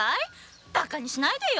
バカにしないで！